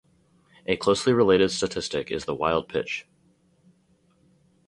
A closely related statistic is the wild pitch.